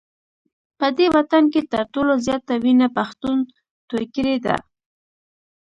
په دې وطن کي تر ټولو زیاته وینه پښتون توی کړې ده